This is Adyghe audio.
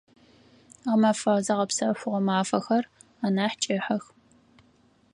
Гъэмэфэ зыгъэпсэфыгъо мафэхэр анахь кӏыхьэх.